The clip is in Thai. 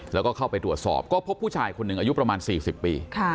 แล้วก็เข้าไปตรวจสอบก็พบผู้ชายคนหนึ่งอายุประมาณ๔๐ปี